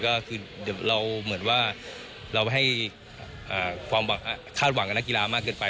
ก็คือเราเหมือนว่าเราให้คาดหวังกับนักกีฬามากเกินไป